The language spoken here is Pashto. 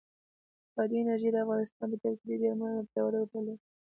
بادي انرژي د افغانستان په طبیعت کې یو ډېر مهم او پیاوړی رول لري.